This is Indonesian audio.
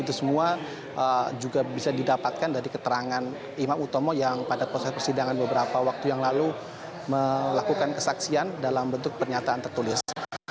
itu semua juga bisa didapatkan dari keterangan imam utomo yang pada proses persidangan beberapa waktu yang lalu melakukan kesaksian dalam bentuk pernyataan tertulis